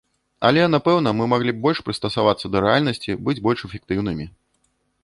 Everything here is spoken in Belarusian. Але, напэўна, мы маглі б больш прыстасавацца да рэальнасці, быць больш эфектыўнымі.